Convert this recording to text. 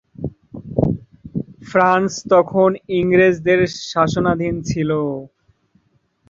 France তখন ইংরেজদের শাসনাধীন ছিল।